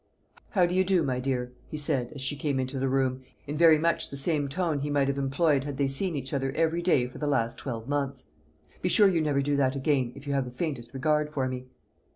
"How do you do, my dear?" he said, as she came into the room, in very much the same tone he might have employed had they seen each other every day for the last twelve months. "Be sure you never do that again, if you have the faintest regard for me."